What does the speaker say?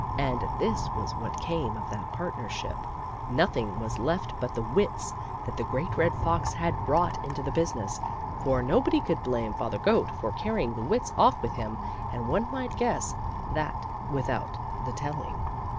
And this was what came of that partnership ; nothing was left but the wits that the Great Red Fox had brought into the business; for nobody could blame Father Goat for carrying the wits off with him, and one might guess that without the telling.